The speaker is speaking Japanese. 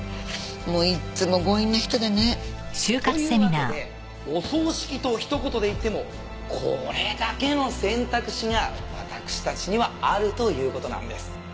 もういつも強引な人でね。というわけでお葬式と一言で言ってもこれだけの選択肢が私たちにはあるという事なんです。